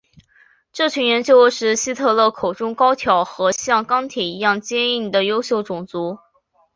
这群人就是希特勒口中高挑和像钢铁一样坚硬的优秀种族。